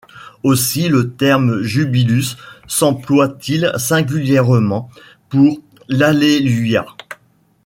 Aussi le terme jubilus s'emploie-t-il singulièrement pour l'alléluia.